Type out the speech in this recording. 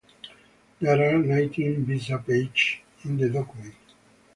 There are nineteen visa pages in the document.